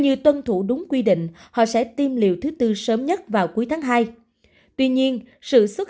như tuân thủ đúng quy định họ sẽ tiêm liều thứ tư sớm nhất vào cuối tháng hai tuy nhiên sự xuất